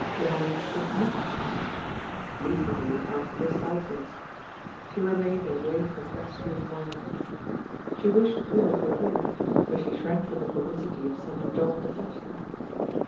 Johanna did not trust him — ^least of all after this ont burst. She remained in great perplexity of mind. She wished Hubert were here, but she shrank from the publicity of sending John to fetch him.